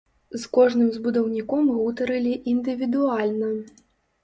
З кожным з будаўнікоў гутарылі індывідуальна.